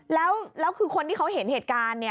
แล้วคือคนที่เขาเห็นเหตุการณ์